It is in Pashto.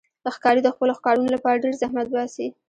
ښکاري د خپلو ښکارونو لپاره ډېر زحمت باسي.